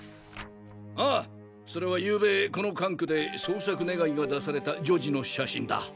ああそれはゆうべこの管区で捜索願が出された女児の写真だ。